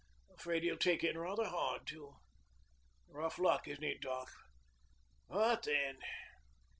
Afraid he'll take it rather hard too. Rough luck, isn't it, doc.? But then ...'